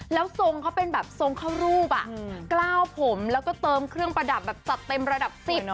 แล้วทรงเขาเป็นแบบทรงเข้ารูปกล้าวผมแล้วก็เติมเครื่องประดับแบบจัดเต็มระดับ๑๐